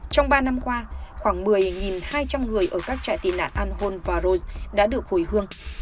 trong ba năm qua khoảng một mươi hai trăm linh người ở các trại tị nạn an hồn và rose đã được hồi hương